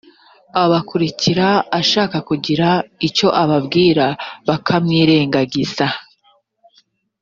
abakurikira ashaka kugira icyo ababwira bakamwirengagiza